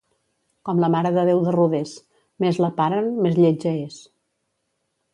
Com la Mare de Déu de Rodés: més la paren, més lletja és.